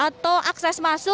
atau akses maksimum